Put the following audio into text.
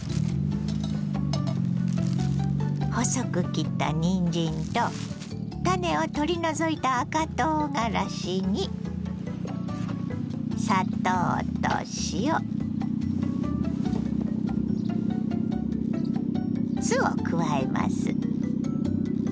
細く切ったにんじんと種を取り除いた赤とうがらしにを加えます。